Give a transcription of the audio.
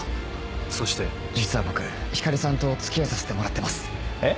⁉そして実は僕光莉さんとお付き合いさせてもらってます。えっ？